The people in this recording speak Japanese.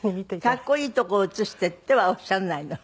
かっこいいとこを写してとはおっしゃらないの？